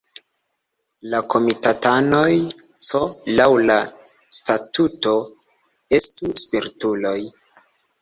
La komitatanoj C laŭ la statuto estu "spertuloj".